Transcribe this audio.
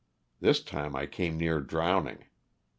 This time I came near drowning.